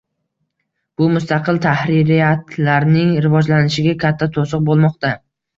Bu mustaqil tahririyatlarning rivojlanishiga katta to‘siq bo‘lmoqda.